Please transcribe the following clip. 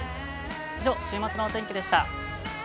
以上、週末のお天気でした。